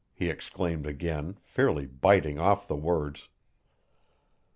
he exclaimed again, fairly biting off the words.